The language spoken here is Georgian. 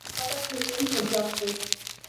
დაიბადა ფერმერის ოჯახში.